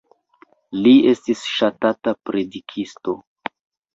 Li estis ŝatata predikisto.